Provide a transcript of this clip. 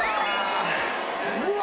うわ。